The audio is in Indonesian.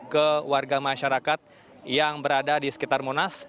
ke warga masyarakat yang berada di sekitar monas